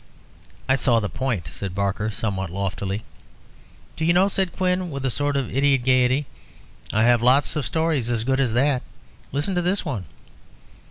"I saw the point," said Barker, somewhat loftily. "Do you know," said Quin, with a sort of idiot gaiety, "I have lots of stories as good as that. Listen to this one."